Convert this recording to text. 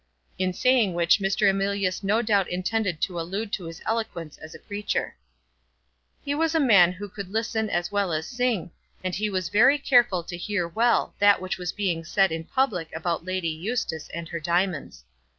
In saying which Mr. Emilius no doubt intended to allude to his eloquence as a preacher. He was a man who could listen as well as sing, and he was very careful to hear well that which was being said in public about Lady Eustace and her diamonds.